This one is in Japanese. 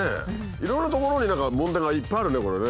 いろんなところに何か問題がいっぱいあるねこれね。